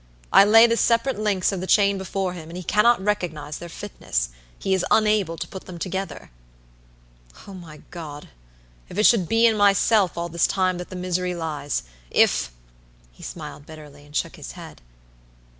I lay the separate links of the chain before him, and he cannot recognize their fitness. He is unable to put them together. Oh, my God, if it should be in myself all this time that the misery lies; if" he smiled bitterly, and shook his head.